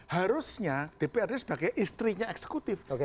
harusnya dprd sebagai istrinya eksekutif